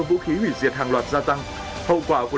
vũ khí hủy diệt hàng loạt gia tăng hậu quả của